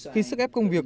khi sức ép công việc